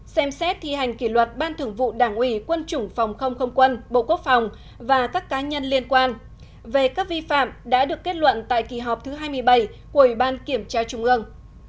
ba xem xét thi hành kỷ luật ban thường vụ đảng ủy quân chủng phòng không không quân bộ quốc phòng và các cá nhân liên quan về các vi phạm đã được kết luận tại kỳ họp thứ hai mươi bảy của ủy ban kiểm tra trung ương